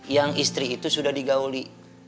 yang istri itu sudah digauli